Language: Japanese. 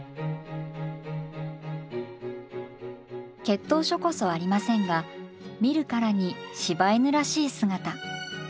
血統書こそありませんが見るからに柴犬らしい姿。